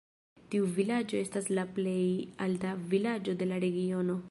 Tiu vilaĝo estas la plej alta vilaĝo de la regiono.